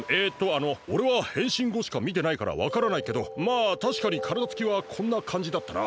あのおれはへんしんごしかみてないからわからないけどまあたしかにからだつきはこんなかんじだったな。